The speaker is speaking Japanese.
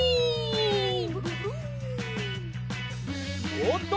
おおっと！